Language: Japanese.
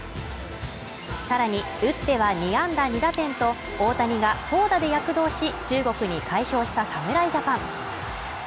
さらに、打っては２安打２打点と、大谷が投打で躍動し、中国に快勝した侍ジャパン。